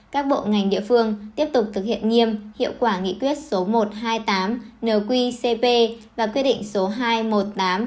các bộ ngành địa phương tiếp tục thực hiện nghiêm hiệu quả nghị quyết số một trăm hai mươi tám nqcp và quy định số hai mươi một nqcp